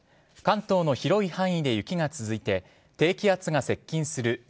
関東の広い範囲で雪が続いて低気圧が接近する